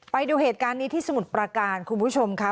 ไปดูเหตุการณ์นี้ที่สมุทรประการคุณผู้ชมค่ะ